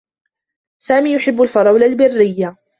سامي يحبّ الفرولة البرّيّة.